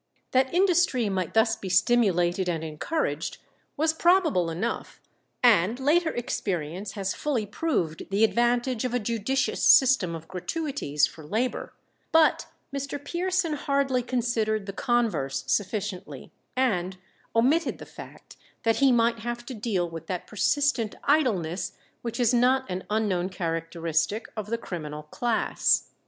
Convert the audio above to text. That industry might thus be stimulated and encouraged was probable enough, and later experience has fully proved the advantage of a judicious system of gratuities for labour; but Mr. Pearson hardly considered the converse sufficiently, and omitted the fact that he might have to deal with that persistent idleness which is not an unknown characteristic of the criminal class.